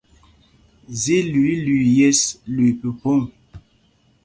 Zí lüǐi lüii yes, lüii phúphōŋ.